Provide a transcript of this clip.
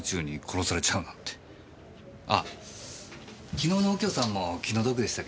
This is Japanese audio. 昨日の右京さんも気の毒でしたけどね。